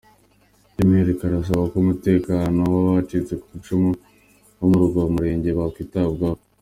By’umwihariko arasaba ko umutekano w’abacitse ku icumu bo muri uwo murenge bakwitabwaho.